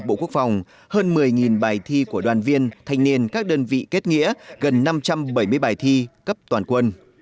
bộ quốc phòng hơn một mươi bài thi của đoàn viên thanh niên các đơn vị kết nghĩa gần năm trăm bảy mươi bài thi cấp toàn quân